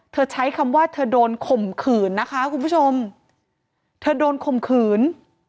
ใช้คำว่าเธอโดนข่มขืนนะคะคุณผู้ชมเธอโดนข่มขืน